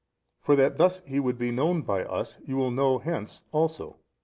For that thus He would be known by us, you will know hence also.